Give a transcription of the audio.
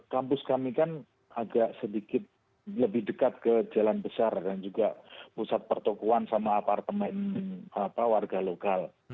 kampus kami kan agak sedikit lebih dekat ke jalan besar dan juga pusat pertokoan sama apartemen warga lokal